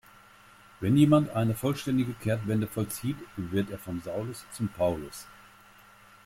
Wenn jemand eine vollständige Kehrtwende vollzieht, wird er vom Saulus zum Paulus.